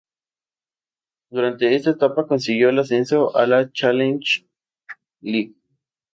Durante esta etapa consiguió el ascenso a la Challenge League.